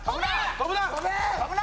「飛ぶな！」